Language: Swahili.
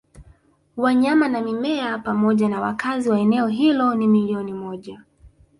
wanyama na mimea pamoja nawakazi wa eneo hilo ni milioni moja